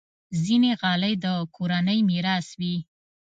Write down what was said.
ځینې غالۍ د کورنۍ میراث وي.